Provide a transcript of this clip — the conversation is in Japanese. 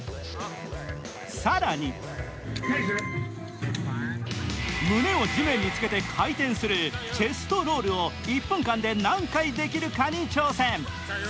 更に胸を地面につけて回転するチェストロールを１分間で何回できるかに挑戦。